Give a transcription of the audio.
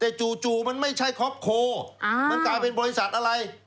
แต่จู่มันไม่ใช่คอปโคมันกลายเป็นบริษัทอะไร